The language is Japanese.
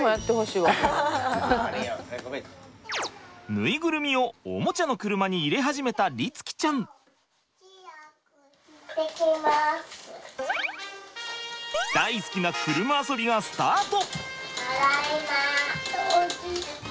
ぬいぐるみをおもちゃの車に入れ始めた律貴ちゃん。がスタート！